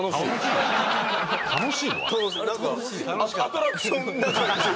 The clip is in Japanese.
アトラクションな感じ。